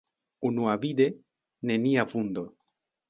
Unuavide, nenia vundo.